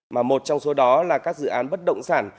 mà một trong số đó là các dự án bất động sản